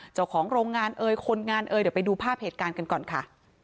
เจ้าของโรงงานเอ่ยคนงานเอยเดี๋ยวไปดูภาพเหตุการณ์กันก่อนค่ะ